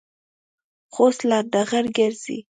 خو اوس لنډغر گرځي.